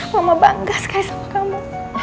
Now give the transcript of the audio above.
mama bangga sekali sama kamu